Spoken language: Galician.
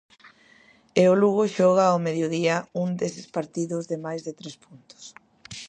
E o Lugo xoga ao mediodía un deses partidos de máis de tres puntos.